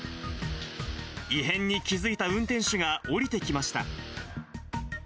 異変に気付いた運転手が降りてきました。